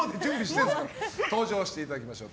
登場していただきましょう。